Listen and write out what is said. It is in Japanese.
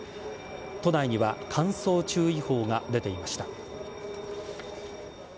都内には乾燥注意報が出ていました。